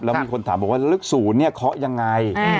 แล้วมีคนถามว่าเลข๐เนี่ยค้อยังไง